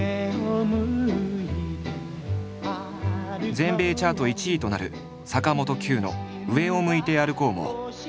全米チャート１位となる坂本九の「上を向いて歩こう」もこの番組から生まれた。